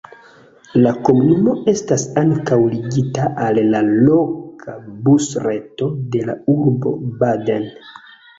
La komunumo estas ankaŭ ligita al la loka busreto de la urbo Baden.